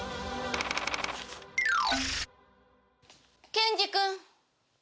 ケンジ君！